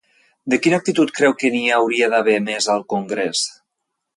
De quina actitud creu que n'hi hauria d'haver més al Congrés?